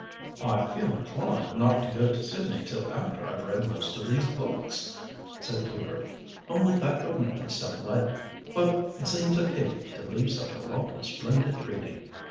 "I feel inclined not to go to Sydney till after I've read most of these books," said Hubert; "only that would make it so late. But it seems a pity to leave such a lot of splendid reading.